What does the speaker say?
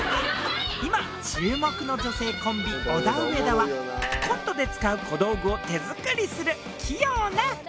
今注目の女性コンビオダウエダはコントで使う小道具を手作りする器用な２人。